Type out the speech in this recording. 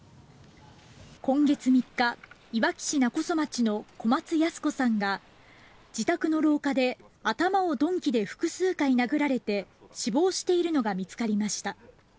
今月３日、いわき市勿来町の小松ヤス子さんが自宅の廊下で頭を鈍器で複数回殴られて死亡しているのが見つかりました。